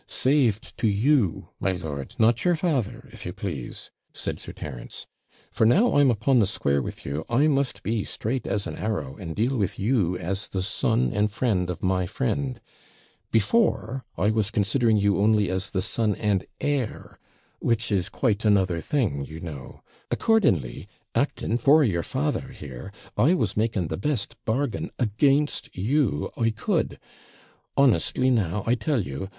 'Saved to you, my lord; not your father, if you plase,' said Sir Terence. 'For now I'm upon the square with you, I must be straight as an arrow, and deal with you as the son and friend of my friend; before, I was considering you only as the son and heir, which is quite another thing, you know; accordingly, acting for your father here, I was making the best bargain against you I could; honestly, now, I tell you.